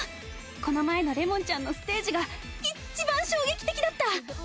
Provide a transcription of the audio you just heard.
この前のれもんちゃんのステージがいっちばん衝撃的だった！